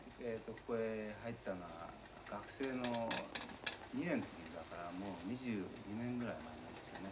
ここへ入ったのは学生の２年の時だからもう２２年ぐらい前なんですよね。